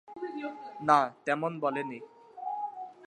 না, তেমন বলেনি।